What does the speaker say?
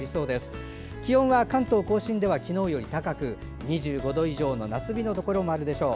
最高気温は関東・甲信では昨日より高く２５度以上の夏日になるところもあるでしょう。